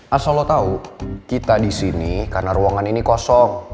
asal lo tau kita disini karena ruangan ini kosong